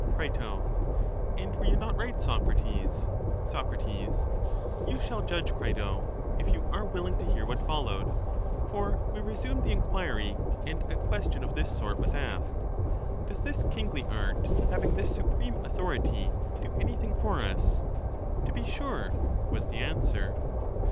Cri, And were you not right, Socrates? Soc, You shall judge, Crito, if you are willing to hear what followed ; for we resumed the inquiry, and a question of this sort was asked : Does this kingly art, having this supreme authority, do anjrthing for us? To be sure, was the answer.